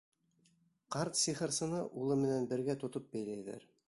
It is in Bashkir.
Ҡарт сихырсыны улы менән бергә тотоп бәйләйҙәр.